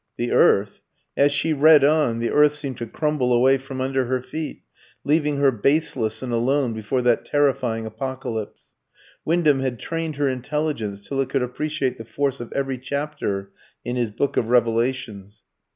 The earth? As she read on, the earth seemed to crumble away from under her feet, leaving her baseless and alone before that terrifying apocalypse. Wyndham had trained her intelligence till it could appreciate the force of every chapter in his book of revelations.